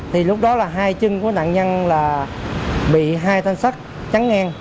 thì lúc đó là hai chân của nạn nhân là bị hai thanh sắt trắng ngang